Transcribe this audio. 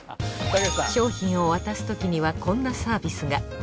商品を渡す時にはこんなサービスが。